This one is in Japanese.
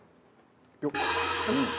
よっ！